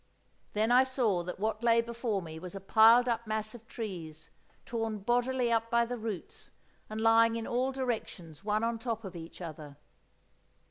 Then I saw that what lay before me was a piled up mass of trees, torn bodily up by the roots and lying in all directions one on top of each other.